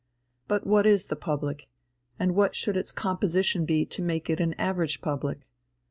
But what is the public and what should its composition be to make it an average public?